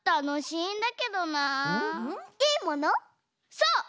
そう！